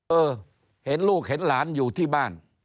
เออเห็นลูกเห็นหลานอยู่ที่บ้าน